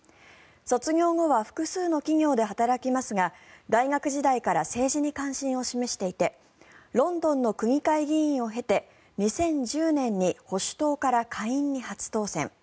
卒業後は複数の企業で働きますが大学時代から政治に関心を示していてロンドンの区議会議員を経て２０１０年に保守党から下院に初当選。